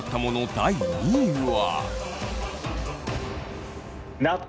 第２位は。